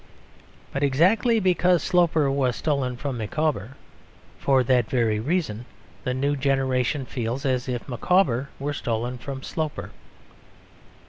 But exactly because "Sloper" was stolen from Micawber, for that very reason the new generation feels as if Micawber were stolen from "Sloper."